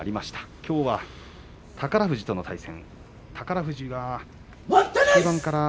きょうは宝富士との対戦。